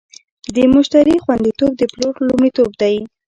د مشتری خوندیتوب د پلور لومړیتوب دی.